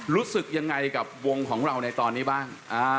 รู้สึกยังไงกับวงของเราในตอนนี้บ้าง